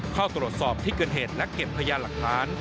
เข้าตรวจสอบที่เกิดเหตุและเก็บพยานหลักฐาน